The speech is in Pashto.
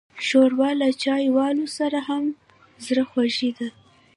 ښوروا له چايوالو سره هم زړهخوږې ده.